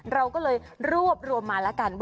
เราก็เลยรวบรวมมาแล้วกัน